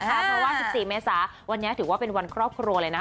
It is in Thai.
เพราะว่า๑๔เมษาวันนี้ถือว่าเป็นวันครอบครัวเลยนะ